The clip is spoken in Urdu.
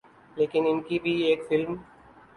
لیکن ان کی بھی ایک فلم